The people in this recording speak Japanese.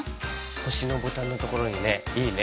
こしのボタンのところにねいいね。